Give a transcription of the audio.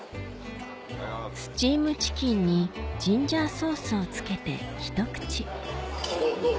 スチームチキンにジンジャーソースをつけてひと口どう？